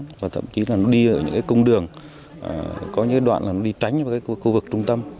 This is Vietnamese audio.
mùa sáng và thậm chí là nó đi ở những công đường có những đoạn là nó đi tránh vào khu vực trung tâm